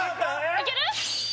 いける？